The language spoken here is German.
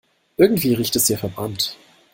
Irgendwie riecht es hier verbrannt.